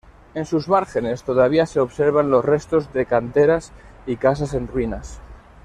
En sus márgenes todavía se observan los restos de canteras y casas en ruinas.